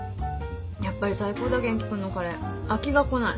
やっぱり最高だ元気君のカレー飽きがこない。